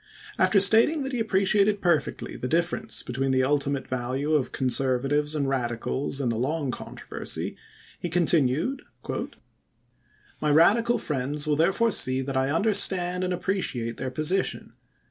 After stating that he appreciated perfectly the difference between the ultimate value of Conservatives and Radicals in the long controversy, he continued :" My Radical friends will therefore see that I understand and appreciate their position.